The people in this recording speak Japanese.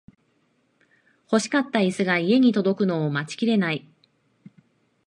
欲しかったイスが家に届くのを待ちきれない